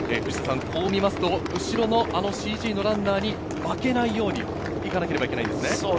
こう見ると、後ろのあのＣＧのランナーに負けないようにいかなければいけないんですね。